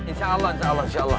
insya allah insya allah insya allah